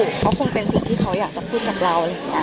ก็คงเป็นสิ่งที่เขาอยากจะพูดกับเรา